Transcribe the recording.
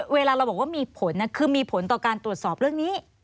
เวลาเราบอกว่ามีผลคือมีผลต่อการตรวจสอบเรื่องนี้